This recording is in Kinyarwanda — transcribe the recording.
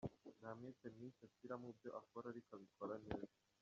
Nta mwete mwinshi ashyira mu byo akora ariko abikora neza.